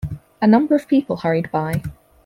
A number of people hurried by.